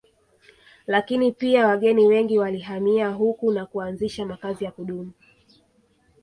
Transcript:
Lakini pia wageni wengi walihamia huku na kuanzisha makazi ya kudumu